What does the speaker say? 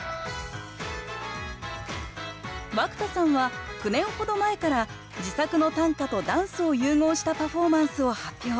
涌田さんは９年ほど前から自作の短歌とダンスを融合したパフォーマンスを発表。